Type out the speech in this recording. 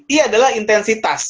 i adalah intensitas